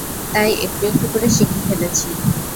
তাই একটু-একটু করে শিখে ফেলেছি।